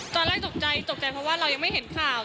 ตอนแรกตกใจตกใจเพราะว่าเรายังไม่เห็นข่าว